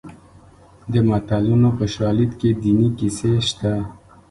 د متلونو په شالید کې دیني کیسې شته